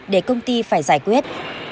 để công ty phải giải quyết